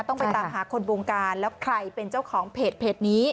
ต้องไปตามหาคนวงการแล้วใครเป็นเจ้าของเพจนี้